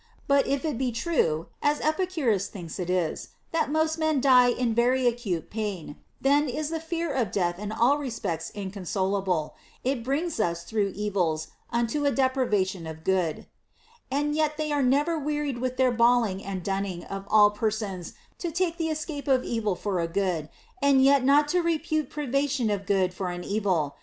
But if it be true (as Epicurus thinks it is) that most men die in very acute pain, then is the fear of death in all respects incon solable ; it bringing us through evils unto a deprivation of good * Herod. VII. 46. ACCORDING TO EPICURUS. 203 31. And yet they are never wearied with their brawling and dunning of all persons to take the escape of evil for a good, and yet not to repute privation of good for an evil.